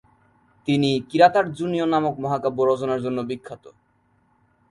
তিনি "কিরাতার্জ্জুনীয়" নামক মহাকাব্য রচনার জন্য বিখ্যাত।